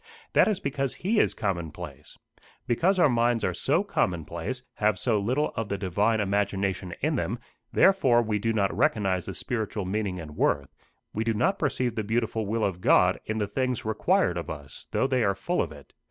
That is because he is commonplace. Because our minds are so commonplace, have so little of the divine imagination in them, therefore we do not recognise the spiritual meaning and worth, we do not perceive the beautiful will of God, in the things required of us, though they are full of it.